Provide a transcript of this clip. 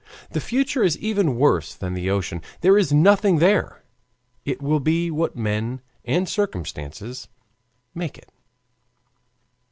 The future is even worse than the ocean there is nothing there it will be what men and circumstances make it.